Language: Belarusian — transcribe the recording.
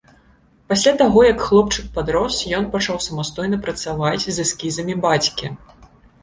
Пасля таго як хлопчык падрос, ён пачаў самастойна працаваць з эскізамі бацькі.